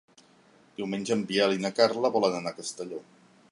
Diumenge en Biel i na Carla volen anar a Castelló.